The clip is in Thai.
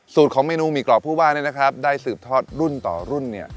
ของเมนูหมี่กรอบผู้ว่าเนี่ยนะครับได้สืบทอดรุ่นต่อรุ่นเนี่ย